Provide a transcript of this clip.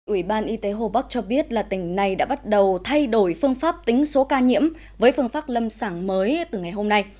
ủy ban y tế hồ bắc cho biết là tỉnh này đã bắt đầu thay đổi phương pháp tính số ca nhiễm với phương pháp lâm sảng mới từ ngày hôm nay